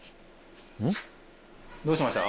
どうしました？